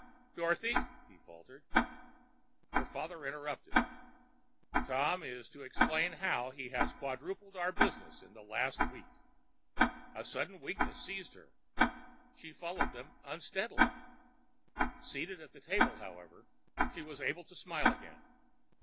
"Dorothy!" he faltered. Her father interrupted. "Tom is to explain how he has quadrupled our business in the last week." A sudden weakness seized her. She followed them unsteadily. Seated at a table, however, she was able to smile again.